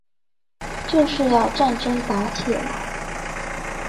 就是要戰爭打起來